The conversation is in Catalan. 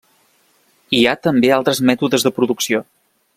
Hi ha també altres mètodes de producció.